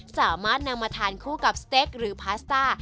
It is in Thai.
สามารถนำมาทานคู่กับสเต็กหรือพาสต้า